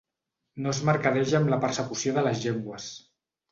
No es mercadeja amb la persecució de les llengües.